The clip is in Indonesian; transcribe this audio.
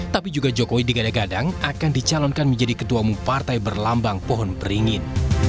tapi juga jokowi digadang gadang akan dicalonkan menjadi ketua umum partai berlambang pohon beringin